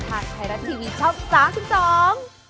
หากใครรับทีวีชอบซ้าคุณสอง